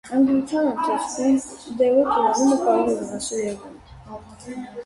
Հղիության ընթացքում դեղի կիրառումը կարող է վնասել երեխային։